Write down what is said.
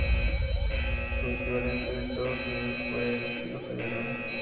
Su equivalente en Estados Unidos fue el estilo federal.